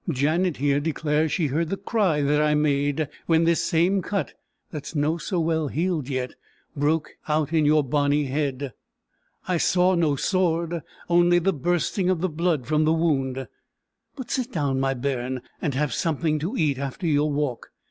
Janet, here, declares she heard the cry that I made, when this same cut, that's no so well healed yet, broke out in your bonny head. I saw no sword, only the bursting of the blood from the wound. But sit down, my bairn, and have something to eat after your walk.